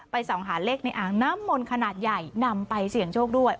ส่องหาเลขในอ่างน้ำมนต์ขนาดใหญ่นำไปเสี่ยงโชคด้วย